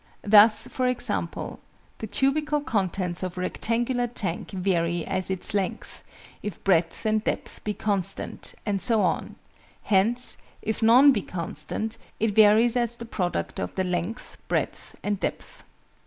Thus, for example, the cubical contents of a rectangular tank vary as its length, if breadth and depth be constant, and so on; hence, if none be constant, it varies as the product of the length, breadth, and depth.